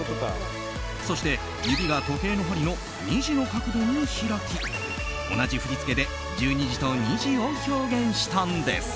そして、指が時計の針の２時の角度に開き同じ振り付けで１２時と２時を表現したんです。